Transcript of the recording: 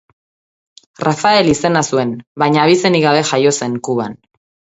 Rafael izena zuen baina abizenik gabe jaio zen Kuban.